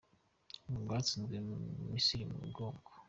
ngo rwatsinze Misiri mu bwoko